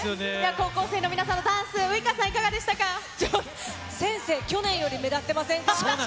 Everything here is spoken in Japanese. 高校生の皆さんのダンス、ちょっと先生、去年より目立ってませんか？